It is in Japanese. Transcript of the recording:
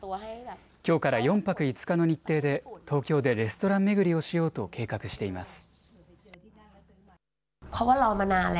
きょうから４泊５日の日程で東京でレストラン巡りをしようと計画しています。